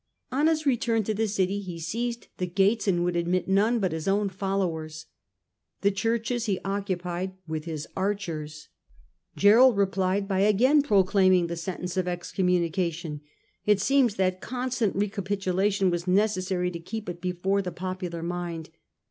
On his return to the city he seized the gates and would admit none but his own followers : the Churches he occupied with his archers. Gerold replied by again proclaiming the sentence of excommunication it seems that constant recapitulation was necessary to keep it before the popular mind.